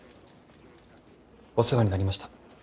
お世話になりました。